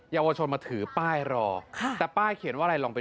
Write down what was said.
ยาวางไม่ต้องมีค่ะเอามาวางไว้